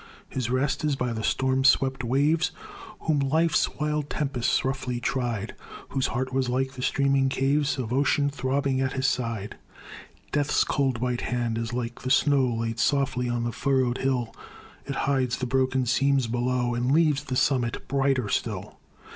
His rest is by the storm swept waves Whom life's wild tempests roughly tried, Whose heart was like the streaming caves Of ocean, throbbing at his side. Death's cold white hand is like the snow Laid softly on the furrowed hill, It hides the broken seams below, And leaves the summit brighter still.